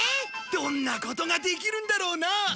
どんなことができるんだろうな！